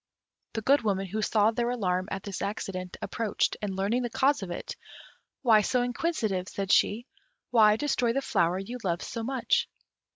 The Good Woman, who saw their alarm at this accident, approached, and learning the cause of it, "Why so inquisitive" said she; "why destroy the flower you loved so much?"